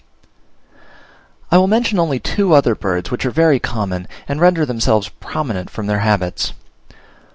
I will mention only two other birds, which are very common, and render themselves prominent from their habits.